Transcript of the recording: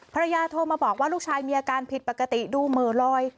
ภรรยาโทรมาบอกว่าลูกชายมีอาการผิดปกติดูเหมือลอย